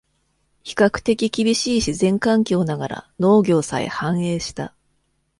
比較的厳しい自然環境ながら、農業さえ繁栄した。